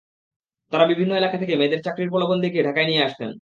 তাঁরা বিভিন্ন এলাকা থেকে মেয়েদের চাকরির প্রলোভন দেখিয়ে ঢাকায় নিয়ে আসতেন।